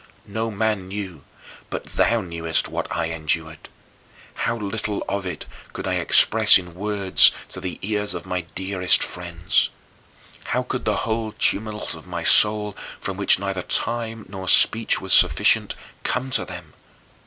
No man knew, but thou knewest what I endured. How little of it could I express in words to the ears of my dearest friends! How could the whole tumult of my soul, for which neither time nor speech was sufficient, come to them?